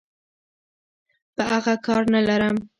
په اغه کار نلرم.